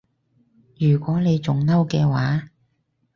如果你仲嬲嘅話